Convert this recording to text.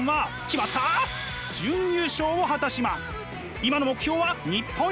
今の目標は日本一。